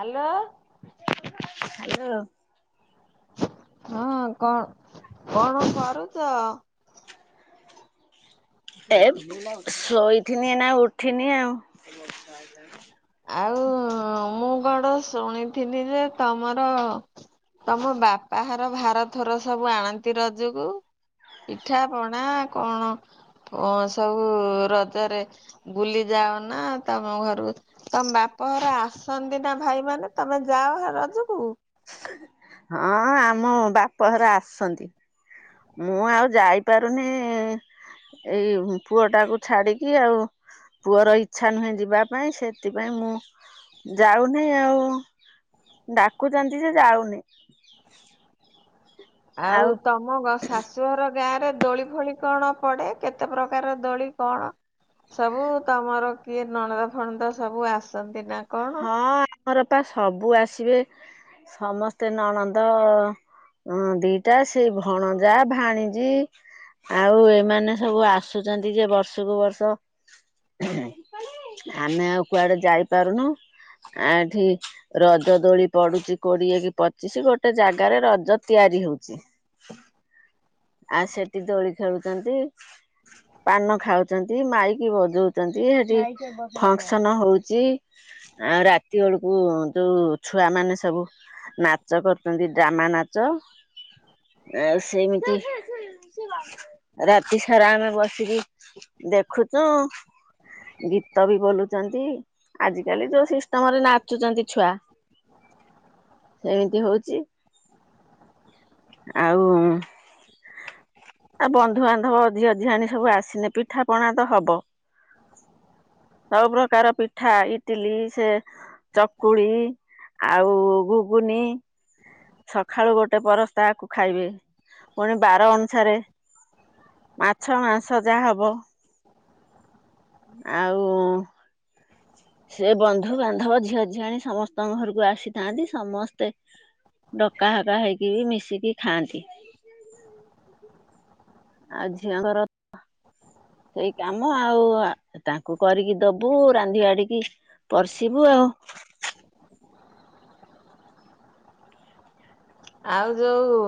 Hello. Hello. ହଁ କଣ କଣ କରୁଚ? ଏ ମୁଁ ଶୋଇଥିନି ଏଇନା ଉଠିନି ଆଉ। [unintelligible] ହଁ ମୁଁ କଣ ଶୁଣିଥିଲି ଯେ ତମର ତମ ବାପା ଘର ଭାର ଥୋର ସବୁ ଆଣନ୍ତି ରଜକୁ? ପିଠା ପଣା କଣ କଣ ସବୁ ରଜରେ ବୁଲି ଯାଅ ନା ତମ ଘରେ ତମ ବାପଘର ଆସନ୍ତି ନା ଭାଇ ମାନେ ତମେ ଯାଅ ରଜକୁ? ହଁ ଆମ ବାପଘର ଆସନ୍ତି। ମୁଁ ଆଉ ଯାଇପାରୁନି ଏଇ ପୁଅ ଟାକୁ ଛାଡିକି ଆଉ। ପୁଅର ଇଚ୍ଛା ନୁହେଁ ଯିବା ପାଇଁ ସେଥିପାଇଁ ମୁଁ ଯାଉନି ଆଉ ଡାକୁଛନ୍ତି ଯେ ଯାଉନି। ହଁ [unintelligible] ଆଉ ତମ ତମ ଶାଶୁଘର ଗାଁ ରେ ଦୋଳି ଫୋଳି କଣ ପଡେ କେତେ ପ୍ରକାରର ଦୋଳି କଣ? ସବୁ ତମର କିଏ ନଣନ୍ଦ ଫଣନ୍ଦ ସବୁ ଆସନ୍ତି ନା? କଣ? ହଁ ଆମର ପା ସବୁ ଆସିବେ ସମସ୍ତେ ନଣନ୍ଦ ହଁ ଦିଟା ସେଇ ଭଣଜା ଭାଣିଜି ଆଉ ଏମାନେ ସବୁ ଆସୁଛନ୍ତି ଯେ ବର୍ଷକୁ ବର୍ଷ ଆମେ ଆଉ କୁଆଡେ ଯାଇପାରୁନୁ ଆ ଏଠି ରଜ ଦୋଳି ପଡୁଛି କୋଡିଏ କି ପଚିଶି ଗୋଟେ ଜାଗାରେ ରଜ ତିଆରି ହଉଛି ଆଉ ସେଠି ଦୋଳି ଖେଳୁଛନ୍ତି ପାନ ଖାଉଛନ୍ତି ମାଇକି ବଜଉଛନ୍ତି ସେଠି ଫଙ୍କସନ ହଉଛି ଆଉ ରାତି ବେଳକୁ ଯୋଉ ଛୁଆ ମାନେ ସବୁ ନାଚ କରୁଛନ୍ତି ଡ୍ରାମା ନାଚ ଆଉ ସେମିତି ରାତି ସାରା ଆମେ ବସିକି ଦେଖୁଛୁ ଗୀତ ବି ବୋଲୁଛନ୍ତି ଆଜିକାଲି ଯୋଉ ସିଷ୍ଟମରେ ନାଚୁଛନ୍ତି ଛୁଆ ସେମିତି ହଉଛି। ଆଉ ଆ ବନ୍ଧୁବାନ୍ଧବ ଝିଅଝିଆଣି ସବୁ ଆସିନେ ପିଠା ପଣା ତ ହବ ସବୁ ପ୍ରକାର ପିଠା ଇଟିଲି ସେ ଚକୁଳି ଆଉ ଘୁଗୁନି ସକାଳୁ ଗୋଟେ ପରସ୍ତ ଆକୁ ଖାଇବେ ପୁଣି ବାର ଅନୁସାରେ ମାଛ ମାଂସ ଯାହା ହବ ଆଉ ସେ ବନ୍ଧୁବାନ୍ଧବ ଝିଅଝିଆଣି ସମସ୍ତଙ୍କ ଘରକୁ ଆସିଥାନ୍ତି ସମସ୍ତେ ଡକା ହକା ହେଇକି ବି ମିଶିକି ଖାଆନ୍ତି। ଆଉ ଝିଅଙ୍କର ସେଇ କାମ ଆଉ ତାଙ୍କୁ କରିକି ଦବୁ ରାନ୍ଧି ବାଡିକି ପରସିବୁ ଆଉ। ଆଉ ଯୋଉ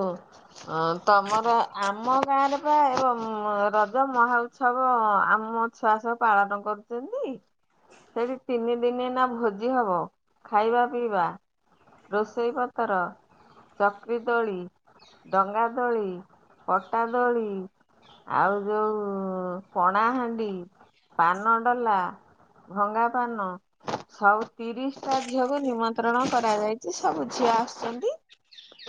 ହ ତମର ଆମ ଗାଁରେ ପା ରଜ ମହା ଉତ୍ସବ ଆମ ଛୁଆ ସବୁ ପାଳନ କରୁଚନ୍ତି। ସେଠି ତିନି ଦିନ ଏଇନା ଭୋଜି ହବ ଖାଇବା ପିଇବା। ରୋଷେଇ ପତର। ଚକ୍ରି ଦୋଳି, ଡଙ୍ଗା ଦୋଳି, ପଟାଦୋଳି। ଆଉ ଯୋଉ ପଣାହାଣ୍ଡି, ପାନ ଡଲା। ଭଙ୍ଗାପାନ ସାଉ ତିରିଶ ଟା ଝିଅକୁ ନିମନ୍ତ୍ରଣ କରାଯାଇଛି ସବୁ ଝିଅ ଆସୁଛନ୍ତି।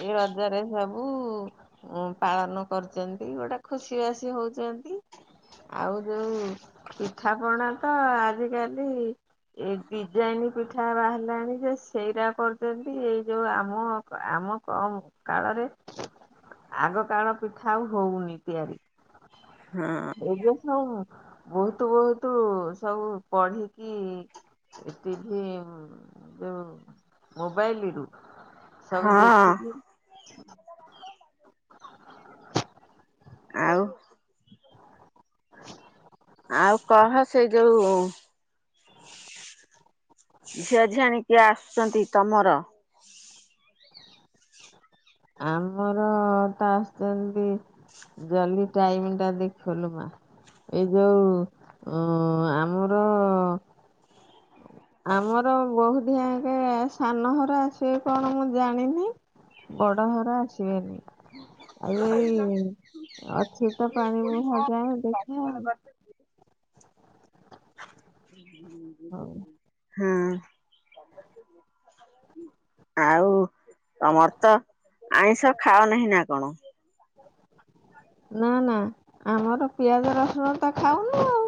ଏଇ ରଜରେ ସବୁ ଉଁ ପାଳନ କରୁଛନ୍ତି ଗୋଟେ ଖୁସି ବାସି ହଉଚନ୍ତି। ଆଉ ଯୋଉ ପିଠାପଣା ତ ଆଜିକାଲି। ଏ ଡିଜାଇନ ପିଠା ବାହାରିଲାଣି ଯେ ସେଇରା କରିଛନ୍ତି ଏଇ ଯୋଉ ଆମ ଆମ କମ୍ କାଳରେ। ଆଗ କାଳ ପିଠା ଆଉ ହଉନି ତିଆରି। ହଁ। ଏବେ ସବୁ ବହୁତ ବହୁତ ସବୁ ପଢିକି। ଏଟିଭି ଉଂ ଯଉ ମୋବାଇଲରୁୁ। ସବୁ ହଁ ଦେଖିକି। ଆଉ ଆଉ କହ ସେଇ ଯୋଉ ଝିଅ ଝିଆଣି କିଏ ଆସୁଛନ୍ତି ତମର? ଆମର ତ ଆସିଛନ୍ତି ଜଲଦି ଟାଇମ ଟା ଦେଖଲୁ ମା। ଏଇ ଯୋଉ ଅ ଆମର ଆମର ବହୁ ଦିହାଙ୍କେ ସାନ ହର ଆସିବେ କଣ ମୁଁ ଜାଣିନି। ବଡ ଘର ଆସିବେନି ଆଉ ଏଇ ଅଛି। ତ ପାଣି ମୁଁହ ଯାଏଁ ଦେଖିଆ। ହଉ। ହୁଁ। ଆଉ ତମର ତ ଆଇଁଷ ଖାଅ ନାହିଁ ନା କଣ? ନା ନା ଆମର ପିଆଜ ରସୁଣ ତ ଖାଉନୁ ଆଉ।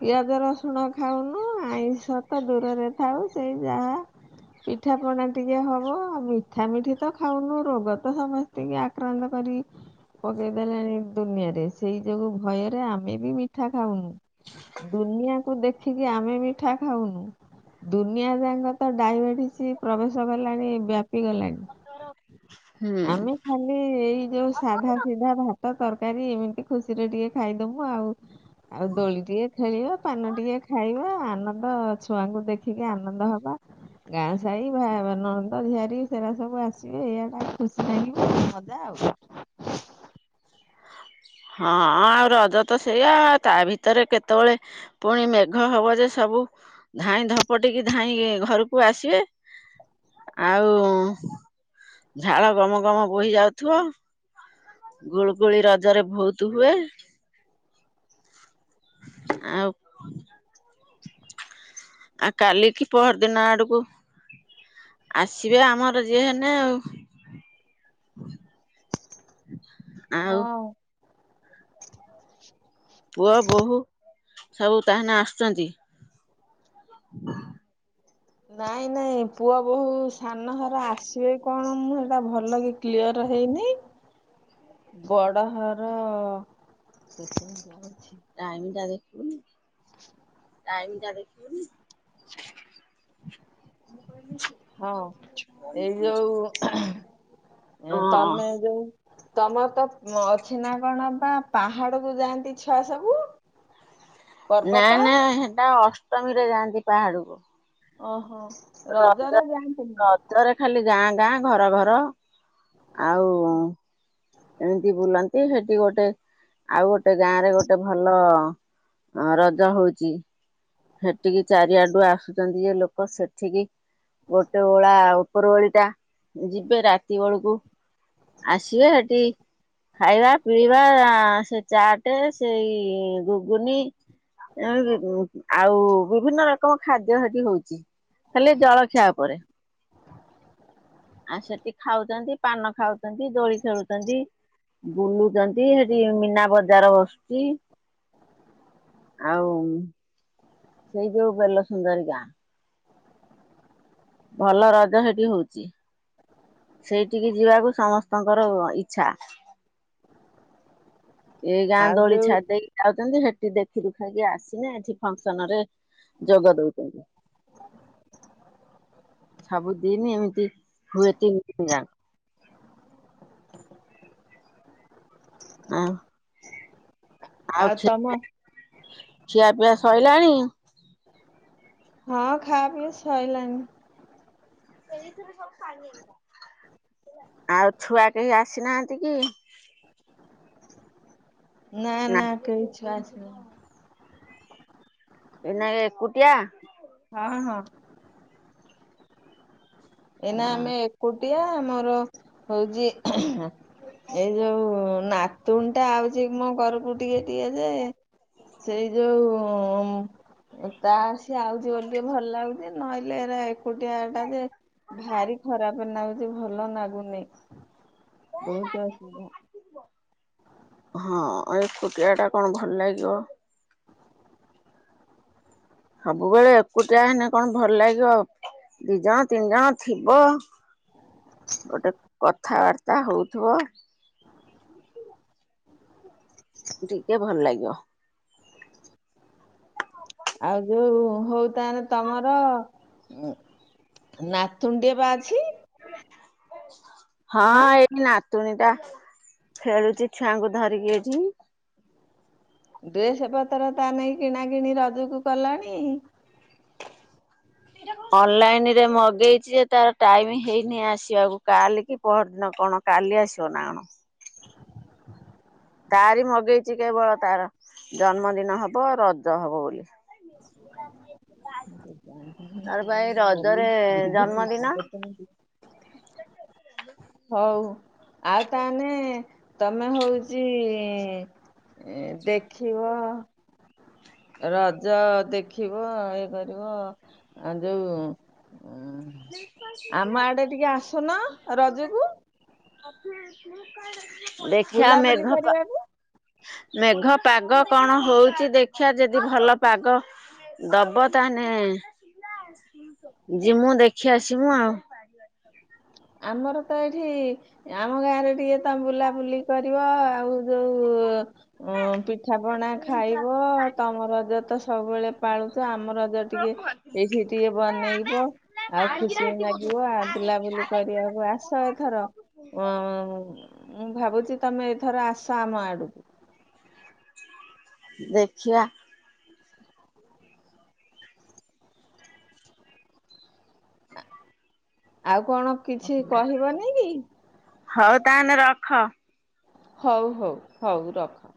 ପିଆଜ ରସୁଣ ଖାଉନୁ ଆଇଁଷ ତ ଦୂରରେ ଥାଉ ସେଇ ଯାହା ପିଠାପଣା ଟିକେ ହବ ଆଉ ମିଠା ମିଠି ତ ଖାଉନୁ ରୋଗ ତ ସମସ୍ତିଙ୍କି ଆକ୍ରାନ୍ତ କରି ପକେଇଦେଲେଣି ଦୁନିଆରେ ସେଇ ଯୋଗୁ ଭୟରେ ଆମେ ବି ମିଠା ଖାଉନୁ। ଦୁନିଆକୁ ଦେଖିକି ଆମେ ମିଠା ଖାଉନୁ। ଦୁନିଆ ଯାକ ତ ଡାଇବେଟିସ୍ ପ୍ରବେଶ କଲାଣି ବ୍ୟାପି ଗଲାଣି। ହୁଁ ଆମେ ଖାଲି ଏଇ ଯୋଉ ସାଧା ସିଧା ଭାତ ତରକାରୀ ଏମିତି ଖୁସିରେ ଟିକେ ଖାଇଦବୁ ଆଉ। ଆଉ ଦୋଳି ଟିକେ ଖେଳିବା ପାନ ଟିକେ ଖାଇବା ଆନ ଓ ଛୁଆଙ୍କୁ ଦେଖିକି ଆନନ୍ଦ ହବା। ଗାଁ ସାହି ଭା ନଣନ୍ଦ ଝିଆରୀ ସେରା ସବୁ ଆସିବେ ଏଇଆ ଟା ଖୁସି ନାଗିବ ଏଇ ମଜା ଆଉ। ହଁ ଆଉ ରଜ ତ ସେଇଆ ତା ଭିତରେ କେତେବେଳେ ପୁଣି ମେଘ ହବ ଯେ ସବୁ ଧାଇଁ ଧପଟିକି ଧାଇଁ ଘରକୁ ଆସିବେ। ଆଉ ଝାଳ ଗମ ଗମ ବୋହି ଯାଉଥିବ। ଗୁଳୁଗୁଳି ରଜରେ ବହୁତ ହୁଏ। ଆଉ ଆଉ କାଲି କିି ପହର ଦିନ ଆଡୁକୁ ଆସିବେ ଆମର ଯିଏ ନା ଆଉ। ଆଉ ହଁ। ପୁଅ ବୋହୂ ସବୁ ତାହେନେ ଆସୁଛନ୍ତି? ନାଇଁ ନାଇଁ ପୁଅ ବୋହୂ ସାନ ହବ ଆସିବେ। କଣ ମୁଁ ଏଇଟା ଭଲ କି କ୍ଲିଅର ହେଇନି। ବଡ ହାର [unintelligible] ଟାଇମ ଟା ଦେଖୁ ଥିନି। ଟାଇମଟା ଦେଖିବୁନି? ହଁ ଏଇ ଯୋଉ ଏ ତମେ ହଁ ଯୋଉ ତମର ତ ଅଛି ନା କଣ ବା ପାହାଡକୁ ଯାଆନ୍ତି ଛୁଆ ସବୁ। ନା ପର୍ବତ ନା ସେଟା ଅଷ୍ଟମୀରେ ଯାଆନ୍ତି ପାହାଡୁକୁ। ଓହୋ। ରଜ ରଜରେ ଯାଆନ୍ତିନି ରଜରେ ଖାଲି ଗାଁ ଗାଁ ଘର ଘର ଆଉ ଏମିତି ବୁଲନ୍ତି ସେଠି ଗୋଟେ ଆଉ ଗୋଟେ ଗାଁ ରେ ଗୋଟେ ଭଲ ରଜ ହଉଛି। ସେଠିକି ଚାରିଆଡୁ ଆସୁଛନ୍ତି ଏ ଲୋକ ସେଠିକି। ଗୋଟେ ଓଳା ଉପର ବଳିଟା ଯିବେ ରାତି ବେଳକୁ ଆସିବେ ସେଠି ଖାଇବା ପିଇବା ସେ ଚାଟ ସେଇ ଘୁଗୁନି [inaudible] ଆଉ ବିଭିନ୍ନ ରକମ ଖାଦ୍ୟ ସେଠି ହଉଛି ହେଲେ ଜଳଖିଆ ଉପରେ। ଆଉ ସେଠି ଖାଉଛନ୍ତି ପାନ ଖାଉଛନ୍ତି ଦୋଳି ଖେଲୁଛନ୍ତି। ବୁଲୁଛନ୍ତି ସେଠି ମୀନା ବଜାର ବସୁଛି। ଆଉ ସେଇ ଯୋଉ ବେଲସୁୁନ୍ଦରୀ ଗାଁ ଭଲ ରଜ ସେଠି ହଉଛି। ସେଇଠିକି ଯିବାକୁ ସମସ୍ତଙ୍କର ଇଛା। ଏଇ ଗାଁ ଦୋଳି ଛାଡି ଦେଇ ଯାଉଛନ୍ତି ସେଠି ଦେଖି ଦୁଖାଇକି ଆସିନେ ଏଠି ଫଙ୍କସନରେ ଯୋଗ ଦଉଛନ୍ତି। ସବୁଦିନି ଏମିତି ହୁଏ ତିନି ଦିନି ଯାକ। ଆଉ ଆଉ [unintelligible] ଖିଆ ପିଆ ସଇଲାଣି। ହଁ ଖାଅ ପିଅ ସଇଲାଣିି। ଆଉ ଛୁଆ କେହି ଆସିନାହାନ୍ତି କି? ନା ନା କେହି ଛୁଆ ଆସିନାହାନ୍ତି। ଏଇନା ଏକୁଟିଆ? ହଁ ହଁ। ଏଇନା ଆମେ ଏକୁଟିଆ ଆମର ହଉଛି ଏଇ ଯୋଉ ନାତୁଣୀ ଟା ଆଉଛି ମୋ ଘରକୁ ଟିକେ ଟିକେ ଯେ ସେଇ ଯୋଉ ତା ସେ ଆଉଛି ବୋଲି ଟିକେ ଭଲ ଲାଗୁଛି ନହଲେ ଏ ଏକୁଟିଆଟା ଯେ ଭାରି ଖରାପ ନାଗୁଛି ଭଲ ନାଗୁନି। ବହୁତ ଅସୁବିଧା। ହଁ ଏକୁଟିଆଟା କଣ ଭଲ ଲାଗିବ। ସବୁବେଳେ ଏକୁଟିଆ ହେନ କଣ ଭଲ ଲାଗିବ। ଦି ଜଣ ତିନି ଜଣ ଥିବ। ଗୋଟେ କଥାବାର୍ତା ହଉଥିବ। ଟିକେ ଭଲ ଲାଗିବ। ଆଉ ଯୋଉ ହଉ ତାଲେ ତମର ଉଁ ନାତୁଣୀଟିଏବା ଅଛି। ହଁ ଏଇଠି ନାତୁଣୀଟା ଖେଳୁଛି ଛୁଆଙ୍କୁ ଧରିକି ଏଠି। ଡ୍ରେସ ପତ୍ର ତା ନାଗି କିଣା କିିଣି ରଜକୁ କଲାଣି। [inaudible] ଅନଲାଇନରେ ମଗେଇଛି ଯେ ତାର ଟାଇମ ହେଇନି ଆସିବାକୁ କାଲି କି ପହରଦିନ କଣ କାଲି ଆସିବ ନା ମ। ତାରି ମଗେଇଛି କେବଳ ତାର ଜନ୍ମଦିନ ହବ ରଜ ହବ ବୋଲି। ତାର ପା ଏଇ ରଜରେ ଜନ୍ମଦିନ। ହଉ ଆଉ ତାହେନେ ତମେ ହଉଚି ଏଁ ଦେଖିବ ରଜ ଦେଖିବ ଇଏ କରିବ ଅ ଯୋଉଁ ଆଡେ ଟିକେ ଆସୁନ ରଜକୁ [unintelligible] [inaudible] ଦେଖିଆ ବୁଲାବୁଲି ମେଘ ପା କରିବାକୁ। ମେଘ ପାଗ କଣ ହଉଛି ଦେଖିଆ ଯଦି ଭଲ ପାଗ ଦବ ତାହାନେ ଯିମୁ ଦେଖି ଆସିମୁ ଆଉ। ଆମର ତ ଏଇଠି ଆମ ଗାଁରେ ଟିକେ ତମ ବୁଲାବୁଲି କରିବ ଆଉ ଯୋଉ ଉଁ ପି ପିଠା ପଣା ଖାଇବ ତମ ରଜ ତ ସବୁବେଳେ ପାଳୁଛ ଆମ ରଜ ଟିକେ ଏଇଠି ଟିକେ ବନେଇବ ଆଉ ଖୁସି ନାଗିବ ଆଉ ବୁଲାବୁଲି କରି ଆକୁ ଆସ ଏଥର। ଅଁ ଉଁ ମୁଁ ଭାବୁଛି ତମେ ଏଥର ଆସ ଆମ ଆଡକୁ। ଦେଖିବା। ଆଉ କଣ କିଛି କହିବନି କି? ହଉ ତାହେନେ ରଖ। ହଉ ହଉ ହଉ ରଖ।